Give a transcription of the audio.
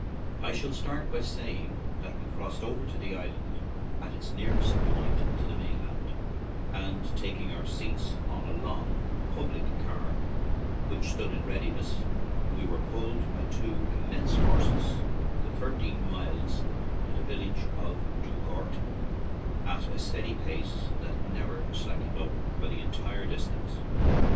I shall start by saying that we crossed over to the island at its nearest point to the main land, and, taking our seats on a "long" public car which stood in readi ness, we were pulled by two immense horses the thirteen miles to the village of Dugort at a steady pace that never "slack ed up" for the entire distance.